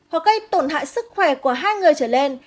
hoặc gây tổn hại sức khỏe của hai người trở lên